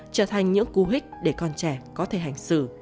trở thành những cú hích để con trẻ có thể hành xử